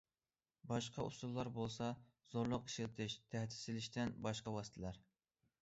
‹‹ باشقا ئۇسۇللار›› بولسا، زورلۇق ئىشلىتىش، تەھدىت سېلىشتىن باشقا ۋاسىتىلەر.